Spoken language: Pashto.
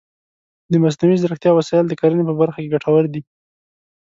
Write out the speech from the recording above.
د مصنوعي ځیرکتیا وسایل د کرنې په برخه کې ګټور دي.